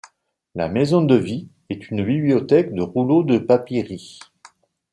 La maison de vie est une bibliothèque de rouleaux de papyri.